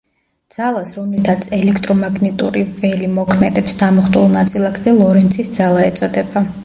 ძალას, რომლითაც ელექტრომაგნიტური ველი მოქმედებს დამუხტულ ნაწილაკზე ლორენცის ძალა ეწოდება.